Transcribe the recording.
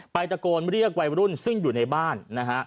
ตะโกนเรียกวัยรุ่นซึ่งอยู่ในบ้านนะฮะ